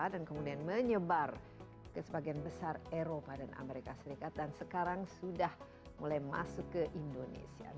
dan kemudian menyebar ke sebagian besar eropa dan amerika serikat dan sekarang sudah mulai masuk ke indonesia